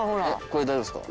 これ大丈夫ですか？